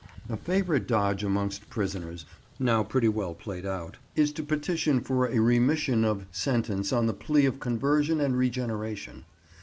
A favourite dodge amongst prisoners, now pretty well played out, is to petition for a remission of sentence on the plea of conversion and regeneration.